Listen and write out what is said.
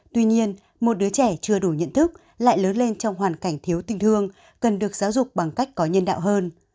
tuy nhiên một đứa trẻ chưa đủ nhận thức lại lớn lên trong hoàn cảnh thiếu tình thương cần được giáo dục bằng cách có nhân đạo hơn